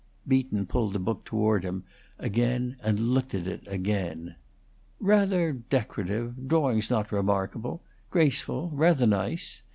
Beaton pulled the book toward him again and looked at it again. "Rather decorative. Drawing's not remarkable. Graceful; rather nice."